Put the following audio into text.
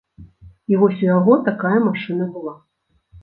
І вось у яго такая машына была.